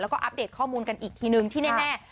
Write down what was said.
แล้วก็อัปเดตข้อมูลกันอีกทีนึงที่แน่